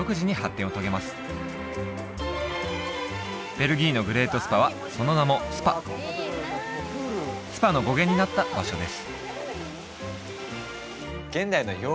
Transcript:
ベルギーのグレート・スパはその名も「スパ」「スパ」の語源になった場所です